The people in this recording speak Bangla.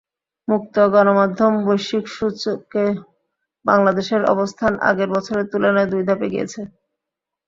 মুক্ত গণমাধ্যমের বৈশ্বিক সূচকে বাংলাদেশের অবস্থান আগের বছরের তুলনায় দুই ধাপ এগিয়েছে।